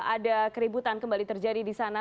ada keributan kembali terjadi di sana